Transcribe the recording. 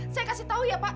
saya kasih tahu ya pak